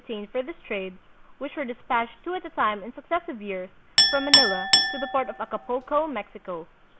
175 tained for this trade, which were dispatched two at a time in successive years from Manila to the port of Aca pulco, Mexico.